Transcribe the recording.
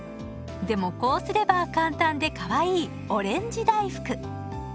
でもこうすれば簡単でかわいいオレンジ大福。